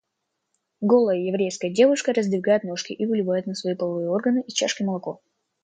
Голая еврейская девушка раздвигает ножки и выливает на свои половые органы из чашки молоко.